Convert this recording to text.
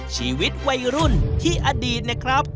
ชีวิตวัยรุ่นที่อดีตเนี่ยครับ